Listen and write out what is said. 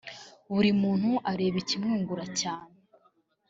Buri muntu areba ikimwungura cyane